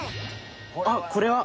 あっこれは。